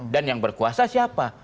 dan yang berkuasa siapa